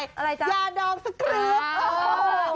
อะไรจังยาดองสกรื๊บ